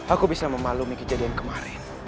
aku bisa memaklumi kejadian kemarin